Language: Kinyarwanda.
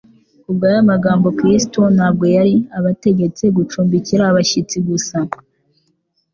Ku bw'aya magambo Kristo ntabwo yari abategetse gucumbikira abashyitsi gusa